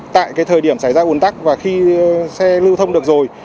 tại thời điểm xảy ra ồn tắc và khi xe lưu thông được rồi